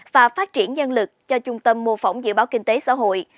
và phát triển nhân lực cho trung tâm mô phỏng dự báo kinh tế xã hội